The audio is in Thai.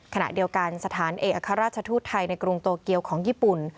ขณะเดียวกันสถานเอกอัครราชทูตไทยในกรุงโตเกียวของญี่ปุ่น